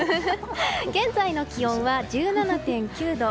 現在の気温は１７．９度。